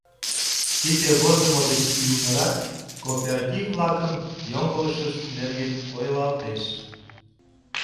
Тиде возымо деч ӱлнырак кооператив-влакын йоҥылышышт нерген ойлалтеш.